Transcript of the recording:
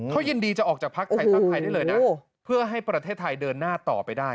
เขายินดีจะออกจากพักไทยพักไทยได้เลยนะเพื่อให้ประเทศไทยเดินหน้าต่อไปได้